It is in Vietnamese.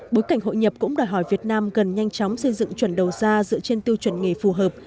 bối cảnh hội nhập cũng đòi hỏi việt nam cần nhanh chóng xây dựng chuẩn đầu ra dựa trên tiêu chuẩn nghề phù hợp